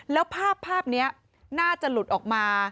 แล้วภาพนี้น่าจะหลุดออกมา